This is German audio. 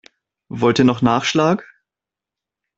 Wollt ihr noch Nachschlag?